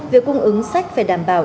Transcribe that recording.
việc cung ứng sách phải đảm bảo